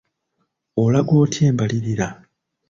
Olaga otya embalirira?